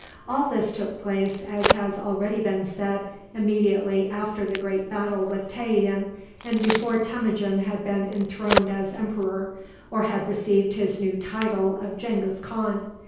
All this took place, as has already been said, immediately after the great battle with Tayian, and before Temujin had been enthroned as emperor, or had received his new title of Genghis Khan.